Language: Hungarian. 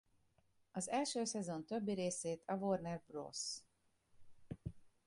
Az első szezon többi részét a Warner Bros.